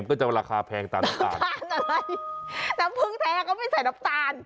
ก็จะราคาแพงตามน้ำตาลทานอะไรน้ำผึ้งแท้ก็ไม่ใส่น้ำตาล